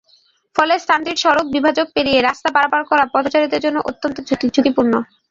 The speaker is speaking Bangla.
ফলে স্থানটির সড়ক বিভাজক পেরিয়ে রাস্তা পারাপার করা পথচারীদের জন্য অত্যন্ত ঝুঁকিপূর্ণ।